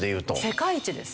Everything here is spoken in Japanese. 世界一です。